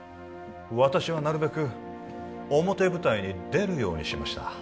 私はなるべく表舞台に出るようにしました